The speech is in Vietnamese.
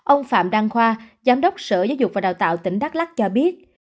ông phạm đăng khoa giám đốc sở giáo dục và đào tạo tỉnh đắk lắc cho biết